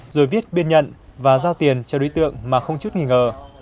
rồi viết biên nhận và giao tiền cho đối tượng mà không chút nghi ngờ